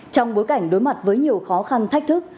trong bối cảnh đối mặt với nhiều khó khăn thách thức